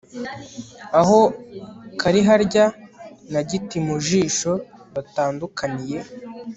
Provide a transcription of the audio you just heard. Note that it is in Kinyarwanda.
aho kariharya na gitimujisho batandukaniye